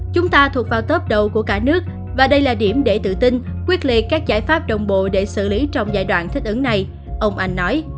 chúng ta thuộc vào tốp đầu của cả nước và đây là điểm để tự tin quyết liệt các giải pháp đồng bộ để xử lý trong giai đoạn thích ứng này ông anh nói